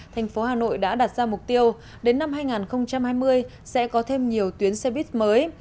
thành phố hà nội đã đặt ra mục tiêu đến năm hai nghìn hai mươi sẽ có thêm nhiều tuyến xe buýt mới